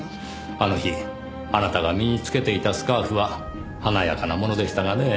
あの日あなたが身につけていたスカーフは華やかなものでしたがねぇ。